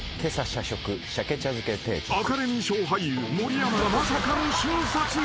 ［アカデミー賞俳優森山がまさかの瞬殺］